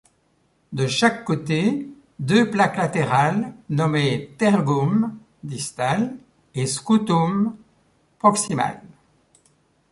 De chaque côté, deux plaques latérales nommées tergum distal et scutum proximal.